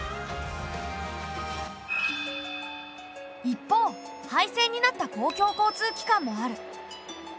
一方廃線になった公共交通機関もある。